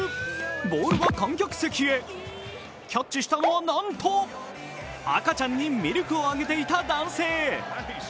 ボールは観客席へキャッチしたのはなんと赤ちゃんにミルクをあげていた男性。